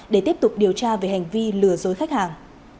để tiếp tục điều tra về hành vi lừa dối khách hàng